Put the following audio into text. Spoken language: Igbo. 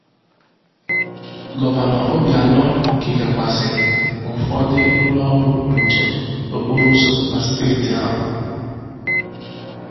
Gọvanọ Obianọ kelekwazịrị ụfọdụ ụlọọrụ njem okporoụzọ na steeti ahụ